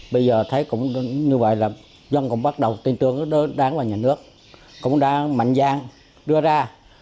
bây giờ thấy cũng như vậy là dân cũng bắt đầu tin tưởng đáng vào nhà nước cũng đã mạnh giang đưa ra